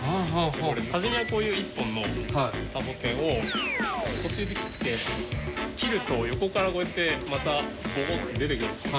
始めはこういう１本のサボテンを途中で切って切ると横からこうやってまたボコッと出てくるんですよ。